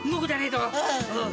うん。